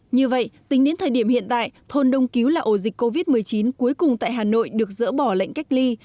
như vậy tính đến thời điểm hiện tại thôn đông cứu là ổ dịch covid một mươi chín cuối cùng tại hà nội được dỡ bỏ lệnh cách ly